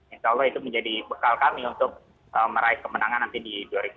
insya allah itu menjadi bekal kami untuk meraih kemenangan nanti di dua ribu dua puluh